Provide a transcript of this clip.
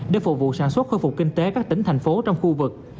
để phục vụ sản xuất khôi phục kinh tế các tỉnh thành phố trong khu vực